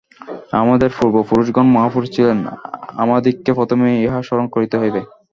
আমাদের পূর্বপুরুষগণ মহাপুরুষ ছিলেন, আমাদিগকে প্রথমেই ইহা স্মরণ করিতে হইবে।